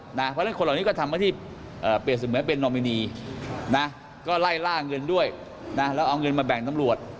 เพราะฉะนั้นคนเหล่านี้ก็ทำหน้าที่เปรียบเสมือนเป็นนอมินีนะก็ไล่ล่าเงินด้วยนะแล้วเอาเงินมาแบ่งตำรวจ